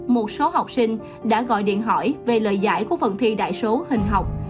một số học sinh đã gọi điện hỏi về lời giải của phần thi đại số hình học